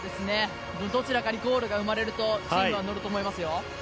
どちらかにゴールが生まれるとチームは乗ると思いますよ。